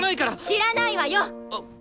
知らないわよ！